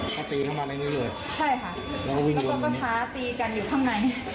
ก็ตีเข้ามาในนี้เลยใช่ค่ะแล้วเขาก็ท้าตีกันอยู่ข้างใน